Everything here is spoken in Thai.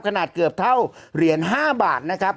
ขนาดเกือบเท่าเหรียญ๕บาทนะครับ